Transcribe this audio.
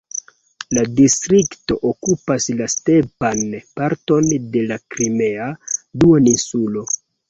La distrikto okupas la stepan parton de la Krimea duoninsulo.